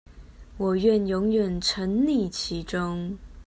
我願永遠沈溺其中